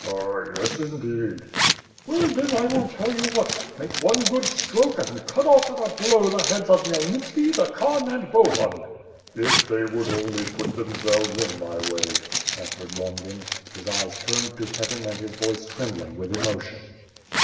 "Ah. yes, indeed." "Well, then, I will tell you what: Make one good stroke and cut off at a blow the heads of Khmyelnitski, the Khan, and Bohun." "If they would only put themselves in my way," answered 30 06 ^iTH FIRE AND SWORD. Longin, his eyes turned to heaven and his voice trembling with emotion.